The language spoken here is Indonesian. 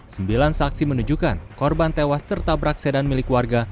sembilan saksi menunjukkan korban tewas tertabrak sedan milik warga